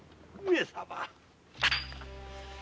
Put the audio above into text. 上様！